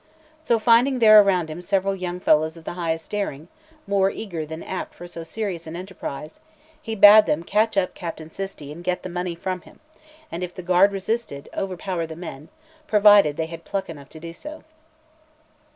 So, finding there around him several young fellows of the highest daring, more eager than apt for so serious an enterprise, he bade them catch up Captain Cisti and get the money from him, and if the guard resisted, overpower the men, provided they had pluck enough to do so.